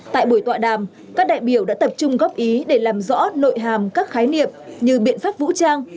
tại buổi tọa đàm các đại biểu đã tập trung góp ý để làm rõ nội hàm các khái niệm như biện pháp vũ trang